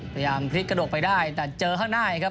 พยายามพลิกกระดกไปได้แต่เจอข้างหน้าอีกครับ